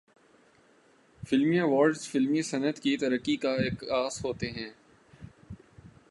فلمی ایوارڈز فلمی صنعت کی ترقی کا عکاس ہوتے ہیں۔